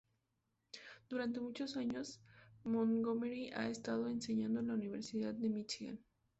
Durante muchos años, Montgomery ha estado enseñando en la Universidad de Michigan.